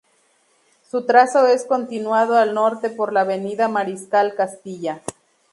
Su trazo es continuado al norte por la avenida Mariscal Castilla.